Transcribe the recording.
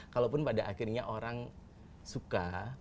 kalaupun pada akhirnya orang suka